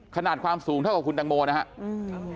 ขนาดความสูงเท่ากับคุณตังโมนะครับ